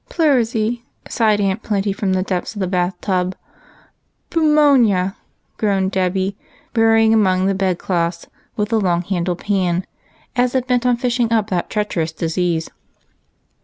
" Pleurisy," sighed Aunt Plenty, from the depths of the bath tub. "Pewmonia!" groaned Dolly, burrowing among the bedclothes with the long handled pan, as if bent on fishing up that treacherous disease.